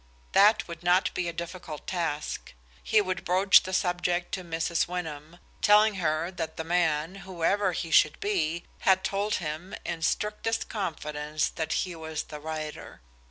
That would not be a difficult task. He would broach the subject to Mrs. Wyndham, telling her that the man, whoever he should be, had told him in strictest confidence that he was the writer.